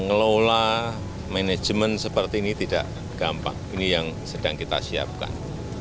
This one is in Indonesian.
mengelola manajemen seperti ini tidak gampang ini yang sedang kita siapkan